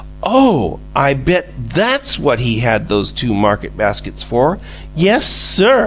"Oh! I bet THAT'S what he had those two market baskets for! Yes, sir!